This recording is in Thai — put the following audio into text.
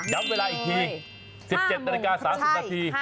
ย้ำเวลาอีกที